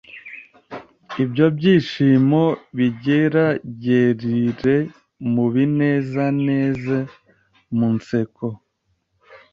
Ibyo byishimo bigeregerire mu binezeneze, mu nseko